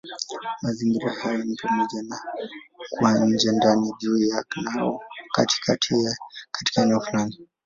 Mazingira hayo ni pamoja na kuwa nje, ndani, juu ya, au katika eneo fulani.